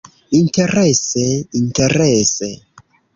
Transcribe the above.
Interese, interese.